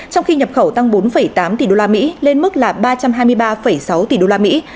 trong khi nhập khẩu tăng bốn tám tỷ đô la mỹ lên mức là ba trăm hai mươi ba sáu tỷ đô la mỹ